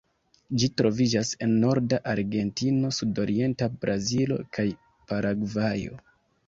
Ĝi troviĝas en norda Argentino, sudorienta Brazilo kaj Paragvajo.